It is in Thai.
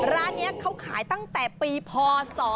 ร้านนี้เขาขายตั้งแต่ปีพศ๒๕